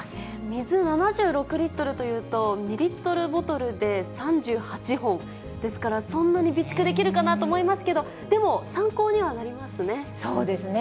水７６リットルというと、２リットルボトルで３８本、ですからそんなに備蓄できるかなと思いますけど、でも、参考にはそうですね。